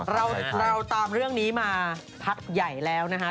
เราตามเรื่องนี้มาพักใหญ่แล้วนะฮะ